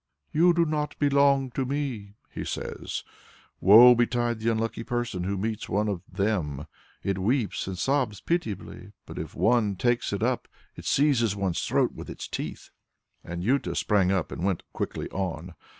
"You do not belong to Me," He says. Woe betide the unlucky person who meets one of "them." It weeps and sobs pitiably, but if one takes it up, it seizes one's throat with its teeth. Anjuta sprang up and went quickly on.